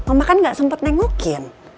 mama kan gak sempet nengokin